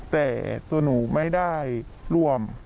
แต่ตัวหนูไม่ได้ร่วม